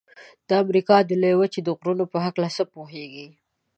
د امریکا د لویې وچې د غرونو په هکله څه پوهیږئ؟